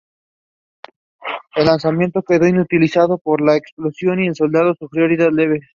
El lanzagranadas quedó inutilizado por la explosión y el soldado sufrió heridas leves.